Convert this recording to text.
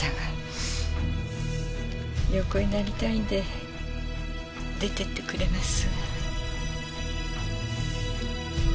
横になりたいんで出てってくれます？